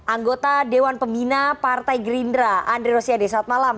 anggota dewan pembina partai gerindra andre rosiade saat malam